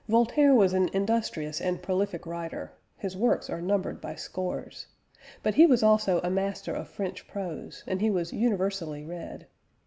" Voltaire was an industrious and prolific writer (his works are numbered by scores), but he was also a master of French prose, and he was universally read.